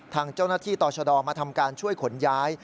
ทางเจ้าหน้าที่ต่อชะดอมาทำการช่วยขนย้าย